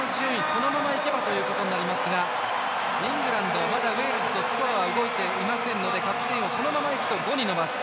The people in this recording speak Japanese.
このままいけばということになりますがイングランド、まだウェールズとスコア動いていませんので勝ち点をこのままですと５に伸ばします。